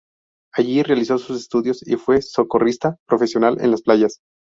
Allí realizó sus estudios y fue socorrista profesional en las playas.